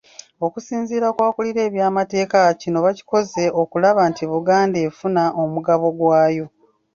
Okusinziira ku akulira ebyamateeka kino bakikoze okulaba nti Buganda efuna omugabo gwayo.